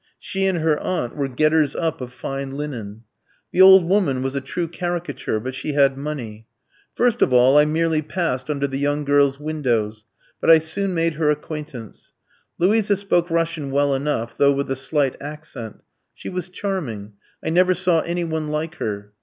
She and her aunt were getters up of fine linen. The old woman was a true caricature; but she had money. First of all I merely passed under the young girl's windows; but I soon made her acquaintance. Luisa spoke Russian well enough, though with a slight accent. She was charming. I never saw any one like her.